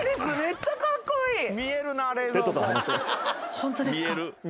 ホントですか？